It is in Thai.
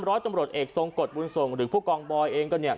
ร้อยตำรวจเอกทรงกฎบุญส่งหรือผู้กองบอยเองก็เนี่ย